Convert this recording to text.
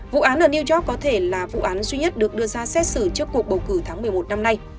vụ án ở new york có thể là vụ án duy nhất được đưa ra xét xử trước cuộc bầu cử tháng một mươi một năm nay